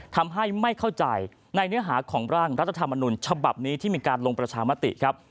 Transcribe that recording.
ทำให้ไม่เข้าใจในเนื้อหาของร่างรัฐธรรมนุนฉบับนี้ที่มีการลงประชามติครับ